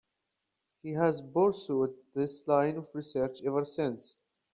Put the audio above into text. He has pursued this line of research ever since.